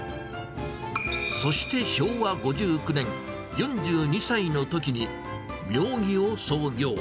そして昭和５９年、４２歳のときに、妙義を創業。